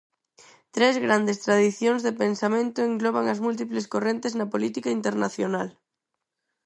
Tres grandes tradicións de pensamento engloban as múltiples correntes na política internacional.